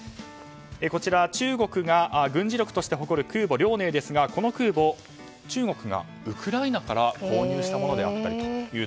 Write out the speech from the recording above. こちらは中国が軍事力として誇る空母「遼寧」ですがこの空母は中国がウクライナから購入したものであったと。